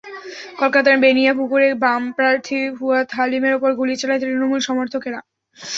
কলকাতার বেনিয়াপুকুরে বাম প্রার্থী ফুয়াদ হালিমের ওপর গুলি চালায় তৃণমূল সমর্থকেরা।